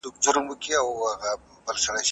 هغه وويل چي خبري مهمي دي!